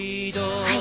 はい。